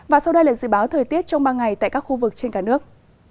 và sau đây là dự báo thời tiết trong ba ngày tại các khu vực trên cả nước